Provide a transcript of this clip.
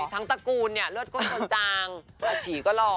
ตระกูลเนี่ยเลือดก้นจนจางอาฉีก็หล่อ